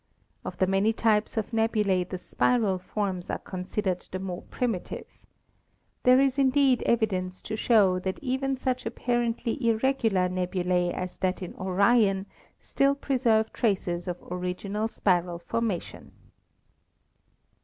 Of the many types of nebulae the spiral forms are considered the more primitive. There is indeed evi dence to show that even such apparently irregular nebulae as that in Orion still preserve traces of original spiral formation.